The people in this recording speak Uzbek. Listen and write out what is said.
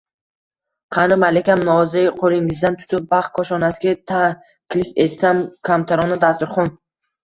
Qani malikam, nozik qo`lingizdan tutib, baxt koshonasiga taklif etsam, kamtarona dasturxon